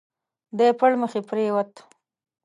دی پړمخي پرېووت.